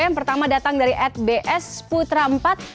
yang pertama datang dari atbsputra empat